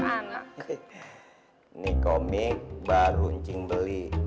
ini komik baru cing beli